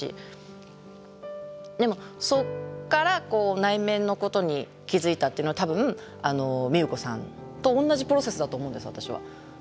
でもそっから内面のことに気付いたっていうのは多分みゆこさんと同じプロセスだと思うんです私は。